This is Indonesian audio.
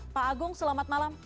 pak agung selamat malam